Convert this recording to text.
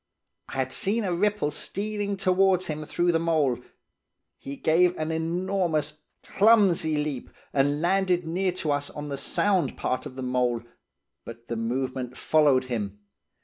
I had seen a ripple stealing towards him through the mould. He gave an enormous, clumsy leap, and landed near to us on the sound part of the mould, but the movement followed him.